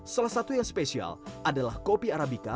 salah satu yang spesial adalah kopi yang berkualitas baik